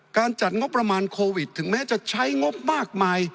จัดงบประมาณโควิดถึงแม้จะใช้งบมากมาย